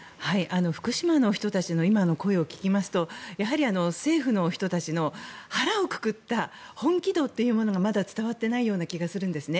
福島の人たちの今の声を聞きますと政府の人たちの腹をくくった本気度というものがまだ伝わってないような気がするんですね。